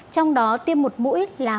trong đó tiêm một mũi là một năm triệu liều